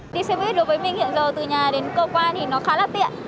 đi xe buýt đối với mình hiện giờ từ nhà đến cơ quan thì nó khá là tiện